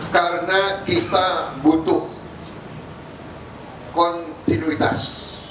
karena kita butuh kontinuitas